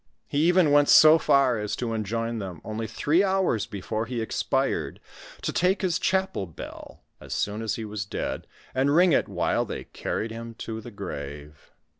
He even went so far as to enjoin them, only three houre before he expired, to take his chapel bell, as soon as he was dead, and ring it while they carried him to the grave.